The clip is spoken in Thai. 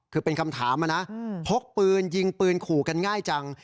คือเป็นคำถามนะพกปืนยิงปืนขู่กันง่ายจัง